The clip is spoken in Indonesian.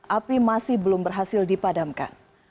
api masih belum berhasil dipadamkan